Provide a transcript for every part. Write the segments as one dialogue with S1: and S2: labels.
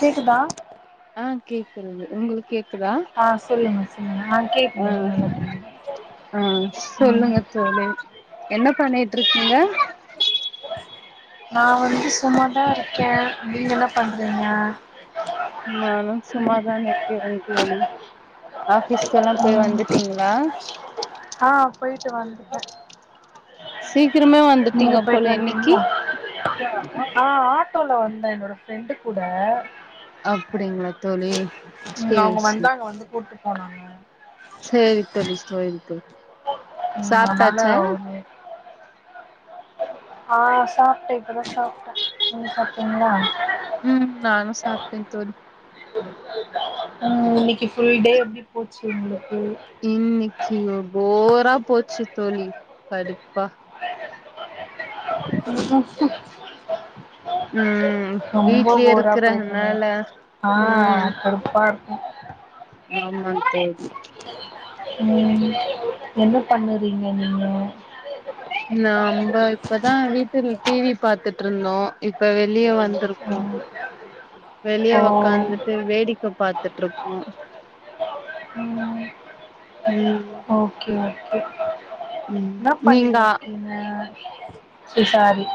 S1: கேக்குதா?
S2: ஆ கேக்கிறது உங்குளுக் கே க்குதா
S1: ஆ சொல்லுங்க சொல்லுங்க ஆ
S2: அ
S1: கேக்குது எனக்கு நல்லா கேக்குது
S2: அ
S1: ம்
S2: சொல்லுங்கத் தோழி என்ன பண்ணிட்ருக்கீங்க?
S1: நா வந்து சும்மாதா இருக்கே நீங்க என்ன பண்றீங்க?
S2: நானும் சும்மாதான் இருக்கேங் தோழி. ஆஃபிஸ்க்கெல்லா போய்
S1: ம்
S2: வந்துட்டீங்களா?
S1: ஆ போயிட்டு வந்துட்டே
S2: சீக்கிரமே
S1: நீங்க
S2: வந்துட்டீங்க
S1: போயிட்டு
S2: போல இன்னிக்கி.
S1: வந்ட்டீங்களா ட்டோல வந்தே என்னோட ஃப்ரெண்டு கூட
S2: அப்டிங்களா தோழி
S1: ம்
S2: சேரி
S1: அவுங்க
S2: சேரி
S1: வந்தாங்க வந்து கூட்டு போனாங்க.
S2: சேரி தோழி சேரி தோழி
S1: ம் அதனால
S2: சாப்ட்டாச்சா?
S1: ஒரு ஆ சாப்ட்டே இப்பதா சாப்ட்டே. நீங்க சாப்ட்டீங்ளா?
S2: ம் நானு சாப்ட்டே தோழி.
S1: ம் இன்னிக்கி ஃபுல்டே எப்டி போச்சி உங்குளுக்கு?
S2: இன்னிக்கி ஒ போரா போச்சு தோழி கடுப்பா. ம்
S1: [inaudible] ரொம்ப
S2: வீட்லயே
S1: போரா போயிருக்குமே
S2: இருக்கறனால
S1: ஆ கடுப்பாருக்கு.
S2: ஆமாங் தோழி.
S1: ம் என்ன பண்ணுறீங்க நீங்க?
S2: நம்ப இப்பதா வீட்டில டி வி பாத்துட்டுருந்தோ இப் இப்ப வெளிய வந்திருக்கு.
S1: ம்
S2: வெளிய
S1: ஓ
S2: ஒக்காந்துட்டு வேடிக்க பாத்து ட்ருக்கோ.
S1: ம்.
S2: ம்.
S1: ஓகே ஓகே
S2: ம்
S1: இன்னா
S2: நீங்க
S1: பண்ணின்ருக்கீங்க? அ ஷோ சாரி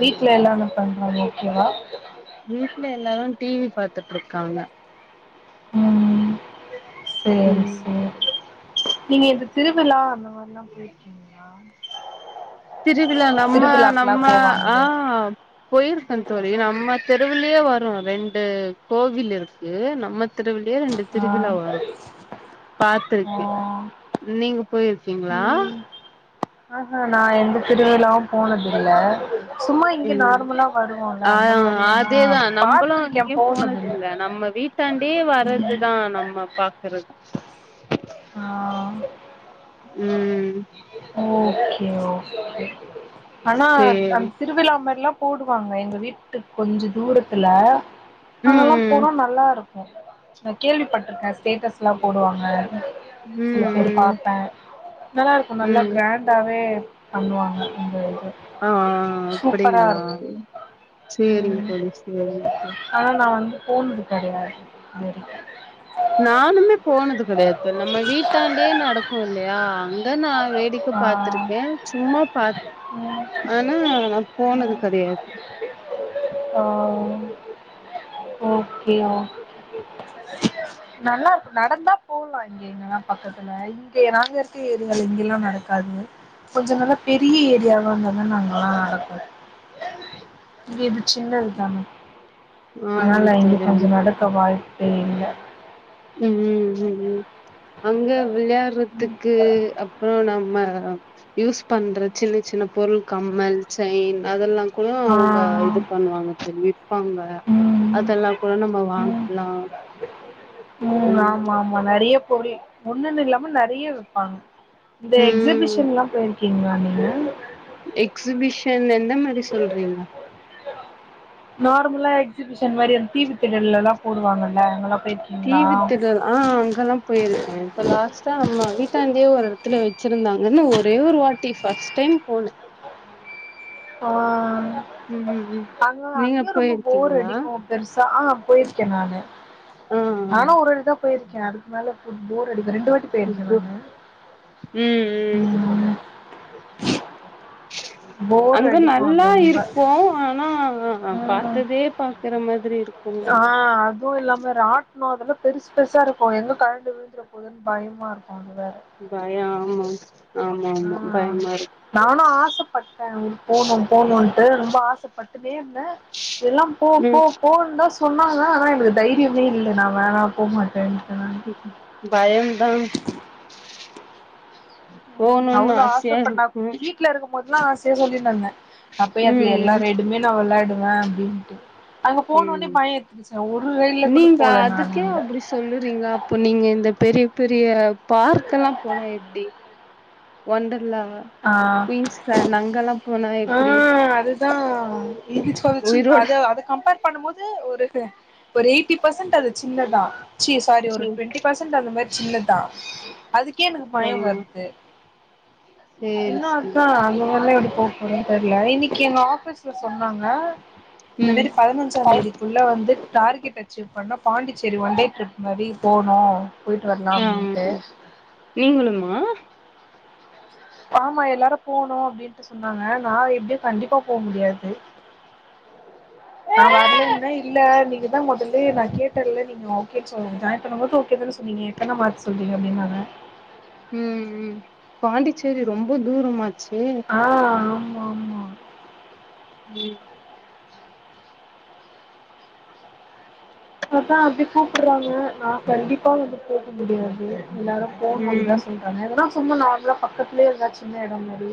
S1: வீட்ல எல்லாமே பண்றாங்க ஓகேவா.
S2: வீட்ல எல்லாரு டி வி பாத்துட்ருக்காங்க.
S1: ம் சேரி
S2: ம்
S1: சேரி நீங்க இந்த திருவிழா அந்த மாரி எல்லா போயிருக்கீங்களா
S2: திருவிழா நம்ம
S1: திருவிழாக்குலா
S2: நம்ம ஆ
S1: போவாங்களே
S2: போயிருக்கே தோழி நம்ம தெருவுலயே வரும் ரெண்டு கோவில் இருக்கு நம்ம தெருவிலயே ரெண்டு
S1: ஆ
S2: திருவிழா வரு
S1: ஆ
S2: பாத்திருக்கே நீங்க போயிரு கீங்களா
S1: ஆ நா எந்த திருவிழாவு போனதுல்ல சும்மா இங்க
S2: ம்
S1: நார்மலா வருவோம்ல
S2: ஆ
S1: அந்த மாரி வேணா
S2: அதேதா
S1: பாத்திருக்கே போனது இல்ல
S2: தாண்டி வர்றதுதா நம்ம பாக்குறது
S1: ஆ
S2: உ
S1: ஒகே ஒகே ஆனா
S2: சேரி
S1: அந்த திருவிழா மாரில்லா போடுவாங்க எங்க வீட்டுக் கொஞ்சோ தூரத்துல நாங்கெல்லா
S2: ம்
S1: போனோ
S2: ம்
S1: நல்லா இருக்கு நா கேள்விப்பட்ருக்கே ஸ்டேட்டஸ்லா போடுவாங்க சில பேர்
S2: ம் ம்
S1: பார்பே நல்லாருக்கு நல்லா
S2: ம்
S1: கிராண்டாவே பண்ணுவாங்க அந்த இது
S2: ஆ
S1: சூப்பரா
S2: அப்டிங்களா
S1: இருக்கு
S2: சேரிங்க தோழி சேரிங்க
S1: அதனால நா வந்து போனது கெடையாது
S2: நானுமே போனது கெடையாது நம்ம வீட்டாண்டே நடக்கு இல்லையா அங்க நா வேடிக்கை ப்ப
S1: ஆ
S2: பா்த்துருக்கே சும்மா பாத்துருகே ஆனா நா போனது கடையாது
S1: ஆ ஓகே ஓ நல்லா இருக்கு நடந்தா போலா இங்க எங்கண்ணா பக்கத்துல இங்கயா நாங்க இருக் ட்டு இங்கெல்லா நடக்காது கொஞ்ச நல்ல பெரிய ஏரியாவா இருந்தா தா அங்கல்லா நடக்கு இது சின்னது தான
S2: ஆமா
S1: அனால இங்க
S2: தோழி
S1: கொஞ்சோ
S2: ஆமா
S1: நடக்க வாய்ப்பே இல்ல
S2: உ உ அங்க விளையாடறதுக்கு உ நம்ம யூஸ் பண்ற சின்ன சின்ன பொருள் கம்மல் செயின் அதெல்லா க்கு
S1: ஆ
S2: அவுங்க இது பண்ணுவாங்க சொல்லிருக்கு வப்பாங்க
S1: ம்
S2: அதெல்லா கூட நம்ம
S1: ம்
S2: வாங்கலா
S1: ம் ஆமா ஆமா நெறைய பொருள் ஒண்ணுன்னு இல்லாம நெறைய விப்பாங்க இந்த
S2: ம்
S1: எக்ஸிபிஷன்ல்லா போயிருக்கீங்களா நீங்க
S2: எக்ஸிபிஷன் எந்த மாரி சொல்றீங்க
S1: நார்மலா எக்ஸிபிஷன் மாரி அந்த தீவி திடல்லல்லா போடுவாங்கல்ல எங்க
S2: தீவு திடல் ஆ அங்கெல்லா போயிருக்கே இப்ப லாஸ்ட்டா நம்ம வீட்டாந்தேயே ஒரு இடத்துல வச்சிருந்தாங்கன்னு ஒரே ஒரு வாட் டி ஃபஸ்ட் டைம் போனே
S1: ஆ
S2: ம் ம் ம்
S1: அங்க
S2: நீங்க
S1: அங்கேயு ரொம்ப போர்
S2: போயிருக்கீங்களா
S1: அடிக்கு பெருசா ஆ போயிருக்கே நானு
S2: ஆ
S1: ஆனா ஒரு இடோ போய்ருக்கே அதுக்கு மேல போர் அடிக்குது ரெண்டு வாட்டிக்கு
S2: சரி போ உ உ
S1: ம்
S2: [inaudible]
S1: போர்
S2: அங்க
S1: அடிக்கு
S2: நல்லா
S1: அது ரொம்ப
S2: இருக்கு ஆனா
S1: ம்
S2: பாத்ததே பாக்குற மாதிரி இருக்கு
S1: ஆ அது இதுவு இல்லாம ராட்ணோ அதெல்லா பெருசு பெருசா இருக்கு எங்க கழண்டு விழுந்துற போதோன்னு பயமா இருக்கு அது வேற
S2: பயோ ஆமா ஆமா
S1: ஆ
S2: ஆமா பயமா இருக்கு
S1: நானு ஆசைப்பட்டே உ போனு போனுன்ட்டு ரொம்ப ஆசைப்பட்டுட்டே இருந்தே எல்லாம் போ போ
S2: ம்
S1: போன்தா சொன்னாங்க ஆனா எங்களுக்கு தைரியமே இல்ல நா வேணா போ மாட்டேன்ட்ட நானு
S2: பயந்தா போணுன்னு
S1: அவ்ளோ
S2: ஆசையா
S1: ஆசப்பட் நா
S2: இருக்கு
S1: வீட்ல இருக்கும் போதுலா ஆசையா சொல்லிட்டுந்தே நா போய் அப்டி எல்லா
S2: ம்
S1: ரெய்டுமே நா வெளாடுவே அப்டின்ட்டு அங்க போனவுன்னே
S2: ம்
S1: பய எத்துச்சு ஒரு ரயில்ல கூட
S2: நீங்க
S1: போல நானு
S2: அதுக்கே
S1: அங்க
S2: அப்டி சொல்லுறீங்க அப்போ நீங்க இந்த பெரிய பெரிய பார்க்கெல்லா போனா எப்டி ஒண்டர்லா
S1: ஆ
S2: குயின்ஸ்கேன் அங்கெல்லா போனா எப்புடி
S1: அதா இது [unintelligible]
S2: உயிரோட
S1: அது அத கம்பேர் பண்ணும்போது ஒரு ஒரு எயிட்டி பசன்ட் அது சின்னதா ச்சி சாரி ஒரு
S2: ம்
S1: டுவெண்ட்டி பசன்ட் அந்த மாரிச் சின்னதா அதுக்கே எனக்கு
S2: ஆ
S1: பய வருது
S2: சேரி
S1: இன்னு
S2: சேரி
S1: அதா அந்தமாரில்லா எப்டி போ போறேன் தெர்ல இன்னிக்கி எங்க ஆ ஃபிஸ்ல சொன்னாங்க இந்த
S2: ம்
S1: மேரி பதினஞ்சா தேதிக்கு ள்ள வந்து டார்கெட் அச்சீவ் பண்ணா பாண்டிச்சேரி ஒன் டே ட்ரிப் மாரி போனு போயிட்டு வரலா
S2: ஆ
S1: அப்டின்ட்டு
S2: நீங்களுமா
S1: ஆமா எல்லாரும் போணு அப்டின்ட்டு சொன்னாங்க நா எப்டியு கண்டிப்பா போ முடியாது நா வர்லன் தா
S2: ம்
S1: இல்ல நீங்க அதா மொதல்லயே நா கேட்டன்ல நீங்க ஓக்கே சொல் ஜாயின் பண்ணபோது ஓக்கே தான சொன்னீங்க இப்ப என்ன மாத்தி சொல்றீங்க அப்டின்னாங்க
S2: ம் ம் பாண்டிச்சேரி ரொம்ப தூரமாச்சே
S1: ஆ ஆ
S2: ம்
S1: அதா அப்டி கூப்புட்றாங்க நா கண்டிப்பா அங்க போக முடியாது எல்லாரு போனுன்தா
S2: ம்
S1: சொ ல்றாங்க எதுனா சும்மா நார்மலா பக்கத்துலயே ஏதாச் சின்ன எடோ மாரி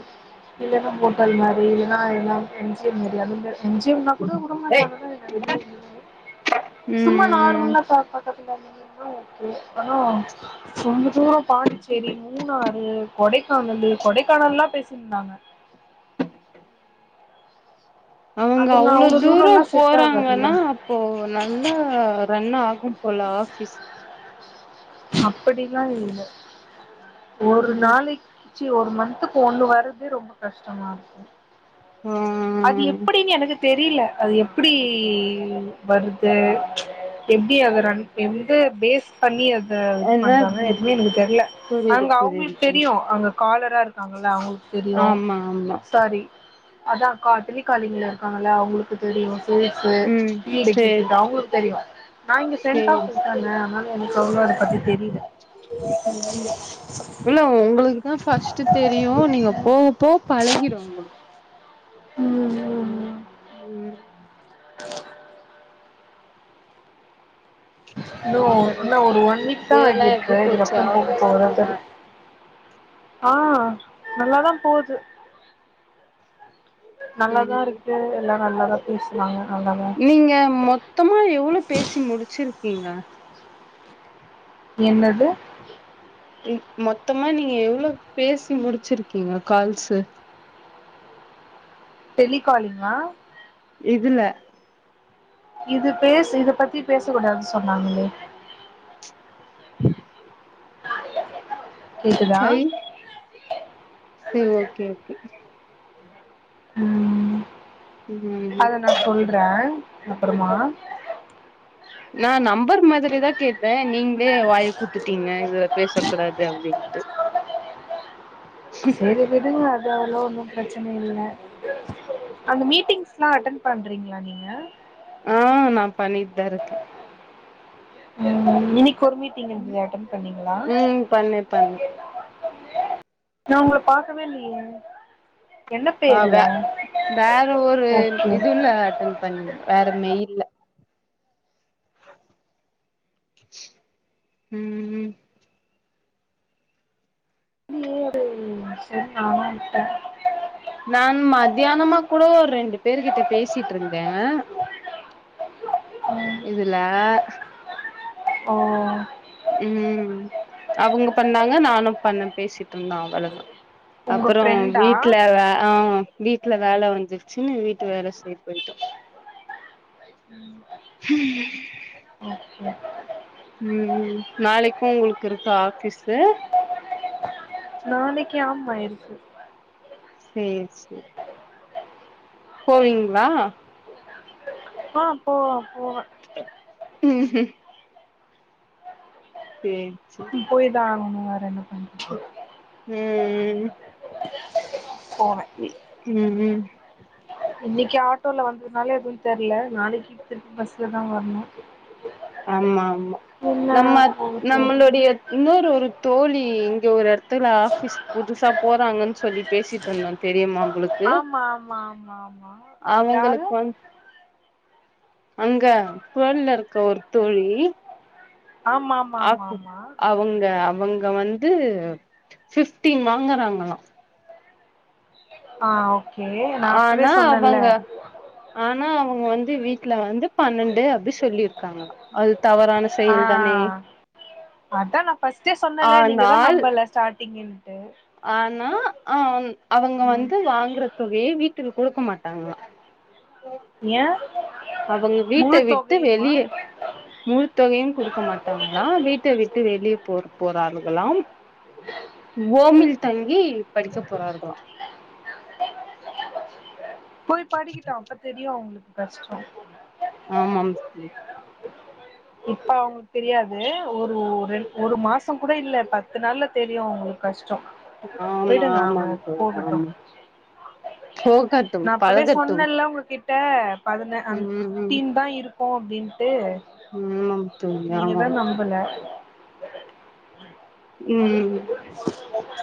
S1: இல்லன்னா ஹோட்டல் மாரி னா எலாம் எம் ஜி எம் மேரி அந்த மே எம் ஜி எம் னா கூட
S2: ம்
S1: உடமாட்டாங்கதா என்ன வெளிய எங்கயுமே சும்மா
S2: ம்
S1: நார்மலா பாக்கறது [inaudible] ஓக்கே ஆன ரொம்ப தூரோ பாண்டிச்சேரி மூணாறு கொடைக்கானலு கொடைக்கானல்லா பேசிருந்தாங்க
S2: அவுங்க
S1: அதெல்லா
S2: அவ்ளோ தூரோ
S1: தூரல்லா செட் ஆகாதுல்ல
S2: போறாங்கன்னா அப் போ நல்லா ரன்னாகும் போல ஆஃபிஸ்
S1: அப்டில்லா இல்ல ஒரு
S2: ம்
S1: நாளை ச்சி ஒரு மந்த்துக்கு ஒண்ணு வர்ரதே ரொம்ப கஷ்டமா இருக்கு
S2: ம்
S1: அது எப்புடின் எனக்கு தெரில அது எப்டி வருது எப்டி அத ரன் எந்த பேஸ் பண்ணி அ த இது
S2: என்ன
S1: பண்றாங்க எதுமே எனக்கு தெர்ல
S2: புரியுது
S1: அங்க அவுங்களுக்கு
S2: புரியுது
S1: தெரியு அங்க காலரா இருக்காங்கல்ல அவுங்ளு தெரியு
S2: ஆமா ஆமா
S1: சாரி அதா கா டெலிகாலிங்ல இருக்காங்கள்ள அவுங்குளுக்கு தெரியு சேல்ஸ்சு
S2: ம்
S1: ஃபீல்ட்
S2: சேரி
S1: எக்ஸிக்கியூட் அவுங்ளுக்கு தெரியு நான் இங்க
S2: சேரி
S1: [unintelligible] அதனால எனக்கு ஹோம் லோன பத்தி தெரில
S2: ம் ம் இல்ல உங்குளுக்கு தான் ஃபர்ஸ்ட்டு தெரியு நீங்க போவப்போவ பழகிடு உங்குளுக்கு
S1: ம் ம் ம்
S2: ம்
S1: இன்னு
S2: அப்புறம்
S1: இன்னு ஒரு ஒன் வீக் தா
S2: டே எல்லா எப்டி
S1: ஆகிருக்கு
S2: போச்சு
S1: இதுக்கப்றோ போ போக தா
S2: ஆஃபீஸ்ல
S1: தெரியு ஆ நல்லாதா போது நல்லாதா
S2: ம்
S1: இருக்கு எல்லாம் நல்லாதா பேசுநாங்க நல்லாதா
S2: நீங்க மொத்தமா எவ்ளோ பேசி முடிச்சிருக்கீங்க
S1: என்னது
S2: மொத்தமா நீங்க எவ்ளோ பேசி முடிச்சிருக்கீங்க கால்ஸு
S1: டெலிகாலிங்கா
S2: இதுல
S1: இது பேஸ்சு இத பத்தி பேசக் கூடாதுனு சொன்னாங்ளே கேக்குதா
S2: சேரி ஓகே ஓகே
S1: ம்
S2: ம்
S1: அத நா சொல்றன் அப்பறமா
S2: நா நம்பர் மாதிரிதா கேப்பேன் நீங் ளே வாய குத்துட்டீங்க இதுல பேசக் கூடாது அப்டின்டு
S1: சரி விடுங்க அது அவளவு ஒன்னும் பிரச்சன இல்ல அந்த மீட்டிங்ஸ்லாம் அட்டன் பண்றீங்களா நீங்க
S2: ஆ நா பண்ணிட் தா இருக்கேன்
S1: ம் இன்னக்கி ஒரு மீட்டிங் இருந்ததே அட்டன் பண்ணீங்ளா
S2: ம் பண்ணே பண்ணே
S1: நா உங்கள பாக்கவே இல்லியே
S2: பாவ வேற ஒரு
S1: ஓகே
S2: இதுல அட்டன் பண்ணிருந்தா வேற மெயில்ல ம் ம் ம்
S1: [unintelligible] சரி நானும் விட்டேன்
S2: நான் மத்தியானமா கூட ஒரு ரெண்டு பேர் கிட்ட பேசிட்டிருந்தேன்
S1: ம்
S2: இதுல
S1: ஓ
S2: ம் அவங்க பண்ணாங்க நானும் பண்ண பேசிட்டிருந்தோ அவள தா
S1: உங்க
S2: அப்பறம்
S1: ஃப்ரெண்டா
S2: வீட்டு்ல வே ஆ வீட்டுல வேல வந்துருச்சின்னு வீட்டு வேல செய்ய போயிட்டோம்
S1: ஓகே
S2: ம் ம் நாளைக்கும் உங்குளுக்கு இருக்கா ஆஃபீஸ்க்கு
S1: நாளக்கி ஆமா இருக்கு
S2: சேரி சேரி போவிங்ளா
S1: ஆ போவன் போவன்
S2: ம் சேரி சேரி
S1: போய் தா ஆகனும் வேற என்ன பண்றது
S2: ம் ம் ம்
S1: இன்னக்கி ஆட்டோல வந்தனால எதும் தெர்ல நாளைக்கி திருப்பி பஸ்ல தா வரணும்
S2: ஆமா ஆமா நம்ம
S1: ஆக போக போது
S2: நம்ளுடைய இன்னொரு ஒரு தோழி இங்க ஒரு எடத்துல ஆபீஸ்க்கு புதுசாப் போறாங்கன்னு சொல்லி பேசிட்டிருந்தோம் தெரியுமா உங்ளுக்கு
S1: ஆமா ஆமா ஆமா ஆமா யாரு
S2: அவங்களுக்கு வந் அங்க போன்ல இருக்க ஒரு தோழி
S1: ஆமாம்
S2: ஆ ப்ற அவங்க அவங்க வந்து பிஃவ்டின் வாங்கறாங்களா
S1: ஆ ஓகே நா அப்பவெ
S2: ஆனா
S1: சொன்னல்ல
S2: அவங்க ஆனா அவங்க வந்து வீட்ல வந்து பன்னண்டு அப்டி சொல்லியிருக்காங்க அது தவறான செ
S1: ஆ அதா நா பஸ்டே சொன்னல நீங்க தா
S2: ஆனால்
S1: நம்பல ஸ்டாடிங்கின்ட்டு
S2: ஆனா அ அவங்க
S1: ம்
S2: வந்து வாங்குற தொகைய வீட்டுல் குடுக்க மாட்டாங்ளா
S1: ஏ
S2: அவங்க வீட்ட
S1: முழு
S2: விட்டு
S1: தொகையுமா
S2: வெளியே முழு தொகையும் குடுக்க மாட் டாங்களா வீட்டை விட்டு வெளியே போற போறார்களாம் ஓமில் தங்கி படிக்க போறார்களா
S1: போய் படிகட்டு அப்ப தெரியு அவுங்ளுக்கு கஷ்டொ
S2: ஆமாம் [unintelligible]
S1: இப்ப அவுங்களுக்கு தெரியாது ஒரு ரெண் ஒரு மாச கூட இல்ல பத்து நாள்ல தெரியு அவுங்களுக் கஷ்டொ
S2: ஆமா ஆமாங்க தோழி ஆமா போஹ்கத்
S1: நா அப்பவே சொன்னேல உங்க கிட்ட பதின அந்த
S2: ம் ம்
S1: ஃபிஃப்டீன் தா இருக்கூ அப்டின்ட்டு
S2: ஆமாம் தோழி
S1: நீங்க தா
S2: ஆமாம் தோழி
S1: நம்பல
S2: உம்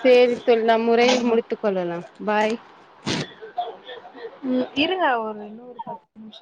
S2: சேரி தோழி நம் உரையை
S1: ம்
S2: முடித்துக் கொள்ளலாம் பாய்
S1: ம் இருங்க ஒரு இன்னு ஒரு பத்து நிமிஷோ